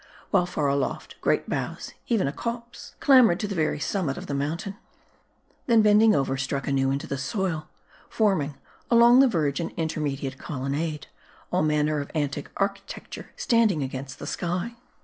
While far aloft, great boughs each a copse clambered to the very summit of the mountain ; then bending over, struck anew into the soil ; forming along the verge an interminable colonnade ; all manner of antic architecture standing against the sky.